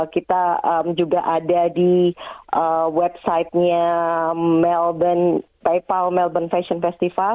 kita juga ada di website nya melban fashion festival